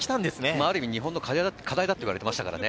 ある意味日本の課題だといわれていましたからね。